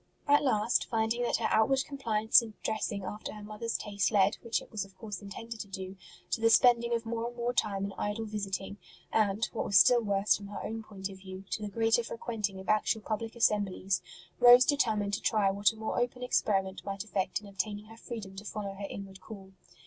At last, finding that her outward compliance in dressing after her mother s taste led, which it was of course intended to do, to the spending of more and more time in idle visiting, and, what was still worse from her own point of view, to the greater frequenting of actual public assemblies, Rose determined to try what a more open experiment might effect in obtaining her freedom to follow her inward call.